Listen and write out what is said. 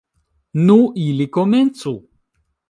Nu, ili komencu!